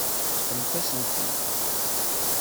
Ṭṭfent-asent-t-id.